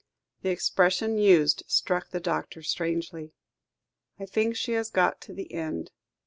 The expression used, struck the doctor strangely. "I think she has got to the end."